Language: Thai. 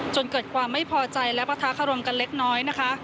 จนเกิดความไม่พอใจและประทะคารมกันเล็กน้อยนะคะ